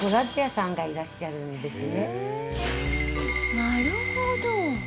なるほど。